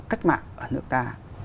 cách mạng ở nước ta